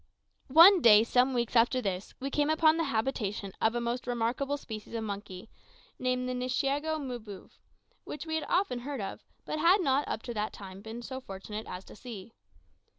One day, some weeks after this, we came upon the habitation of a most remarkable species of monkey, named the Nshiego Mbouve, which we had often heard of, but had not up to that time been so fortunate as to see.